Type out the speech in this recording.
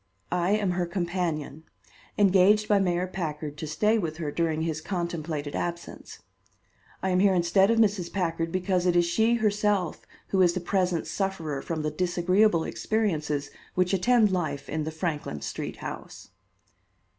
"I am her companion, engaged by Mayor Packard to stay with her during his contemplated absence. I am here instead of Mrs. Packard because it is she herself who is the present sufferer from the disagreeable experiences which attend life in the Franklin Street house."